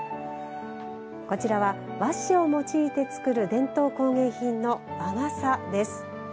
こちらは和紙を用いて作る伝統工芸品の和傘です。